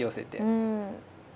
うん。